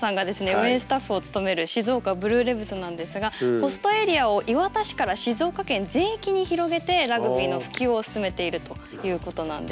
運営スタッフを務める静岡ブルーレヴズなんですがホストエリアを磐田市から静岡県全域に広げてラグビーの普及を進めているということなんです。